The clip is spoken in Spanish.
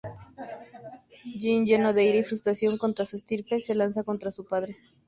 Jin, lleno de ira y frustración contra su estirpe, se lanza contra su padre.